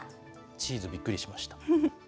チーズ、びっくりしました。